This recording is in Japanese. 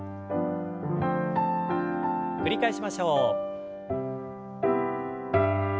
繰り返しましょう。